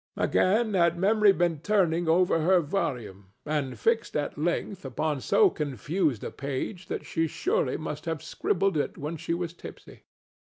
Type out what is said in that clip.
Again had Memory been turning over her volume, and fixed at length upon so confused a page that she surely must have scribbled it when she was tipsy.